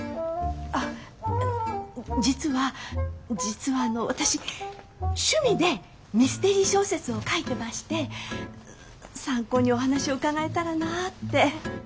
あっ実は実はあの私趣味でミステリー小説を書いてまして参考にお話を伺えたらなあって。